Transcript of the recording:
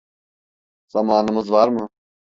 Zamanımız var mı?